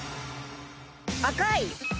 「赤い」。